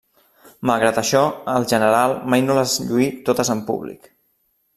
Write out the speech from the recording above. Malgrat això, el general mai no les lluí totes en públic.